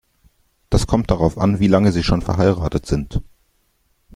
Das kommt darauf an, wie lange Sie schon verheiratet sind.